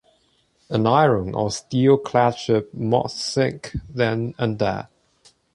An iron or steel-clad ship must sink then and there.